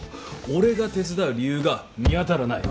俺が手伝う理由が見当たらない。